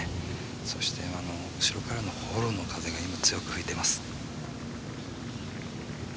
そして、後ろからのフォローの風が強く吹いています。